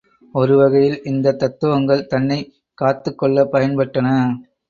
ஒருவகையில் இந்தத் தத்துவங்கள் தன்னைக் காத்துக் கொள்ளப் பயன் பட்டன.